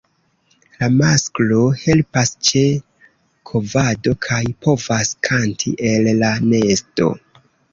La masklo helpas ĉe kovado kaj povas kanti el la nesto.